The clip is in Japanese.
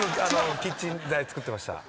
キッチン作ってました。